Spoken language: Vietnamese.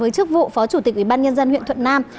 chức vụ phó chủ tịch ủy ban nhân dân huyện thuận nam